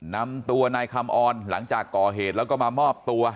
นำตัวนายคำออนหลังจากก่อเหตุแล้วก็มามอบตัว